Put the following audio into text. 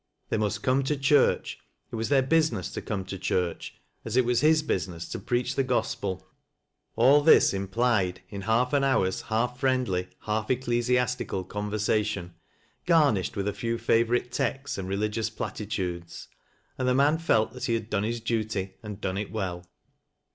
They must come tc' church: it was their business to come to church, as it was his business to preach the gospel. All Ais implied, " LIZ." 18 in half an hours half friendly, half ecclesiastical conver Bation, garnished with a few favorite texts and religious platitudes, and the man felt that he had done his dutjj and done it well.